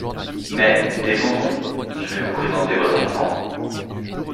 Mais, descendons, je vais vous présenter votre enfant.